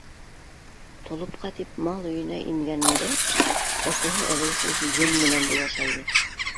Толопҡа тип мал өйөнә ингәнендә әсәһе әлеге шул йөн менән булаша ине.